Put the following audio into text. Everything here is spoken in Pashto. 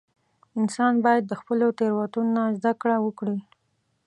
• انسان باید د خپلو تېروتنو نه زده کړه وکړي.